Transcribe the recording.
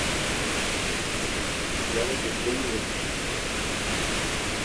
Fortalecer la capacidad de gestión y recursos institucionales.